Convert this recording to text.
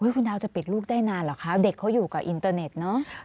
คุณดาวจะปิดลูกได้นานเหรอคะเด็กเขาอยู่กับอินเตอร์เน็ตเนอะ